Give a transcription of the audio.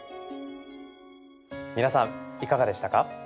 皆さんいかがでしたか？